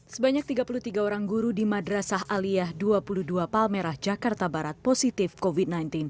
sebanyak tiga puluh tiga orang guru di madrasah aliyah dua puluh dua palmerah jakarta barat positif covid sembilan belas